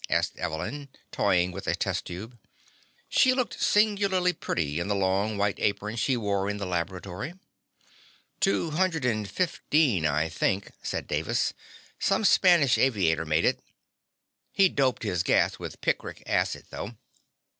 asked Evelyn, toying with a test tube. She looked singularly pretty in the long white apron she wore in the laboratory. "Two hundred and fifteen, I think," said Davis. "Some Spanish aviator made it. He'd doped his gas with picric acid, though."